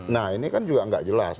nah ini kan juga nggak jelas